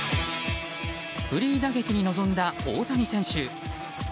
フリー打撃に臨んだ大谷選手。